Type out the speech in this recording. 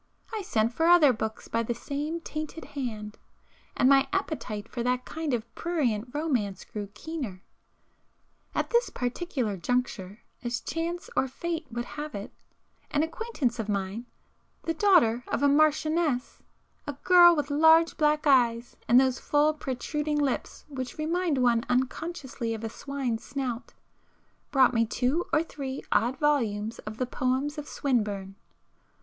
[p 406] I sent for other books by the same tainted hand, and my appetite for that kind of prurient romance grew keener. At this particular juncture as chance or fate would have it, an acquaintance of mine, the daughter of a Marchioness, a girl with large black eyes, and those full protruding lips which remind one unconsciously of a swine's snout, brought me two or three odd volumes of the poems of Swinburne.